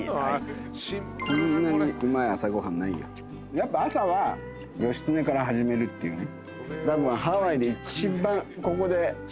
やっぱ朝は義経から始めるっていうね。